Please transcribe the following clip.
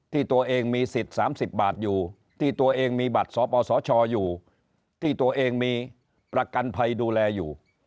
ที่ตัวเองมีสิทธิ์๓๐บาทอยู่ที่ตัวเองมีบัตรสปสชอยู่ที่ตัวเองมีประกันภัยดูแลอยู่